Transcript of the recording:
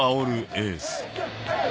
エース！